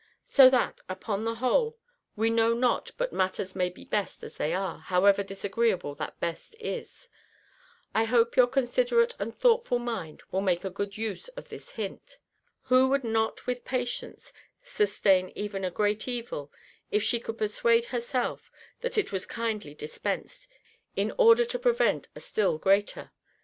So that, upon the whole, we know not but matters may be best as they are, however disagreeable that best is. I hope your considerate and thoughtful mind will make a good use of this hint. Who would not with patience sustain even a great evil, if she could persuade herself that it was kindly dispensed, in order to prevent a still greater?